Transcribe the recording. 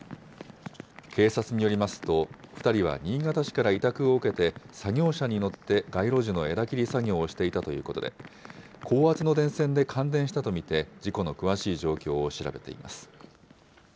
警察によりますと、２人は新潟市から委託を受けて、作業車に乗って街路樹の枝切り作業をしていたということで、高圧の電線で感電したと見て、事故の詳しい状況を調べています。